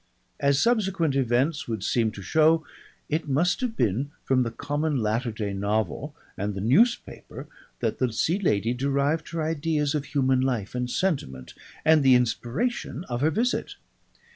As subsequent events would seem to show, it must have been from the common latter day novel and the newspaper that the Sea Lady derived her ideas of human life and sentiment and the inspiration of her visit.